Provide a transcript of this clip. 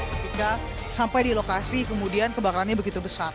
ketika sampai di lokasi kemudian kebakarannya begitu besar